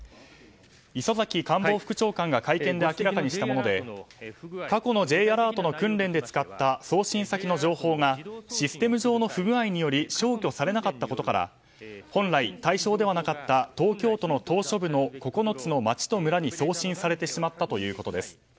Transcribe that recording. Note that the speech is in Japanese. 磯崎官房副長官が会見で明らかにしたもので過去のＪアラートの訓練で使った送信先の情報がシステム上の不具合により消去されなかったことから本来、対象ではなかった東京都の島しょ部の９つの町と村に送信されてしまったということです。